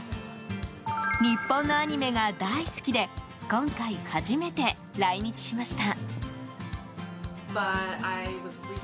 日本のアニメが大好きで今回、初めて来日しました。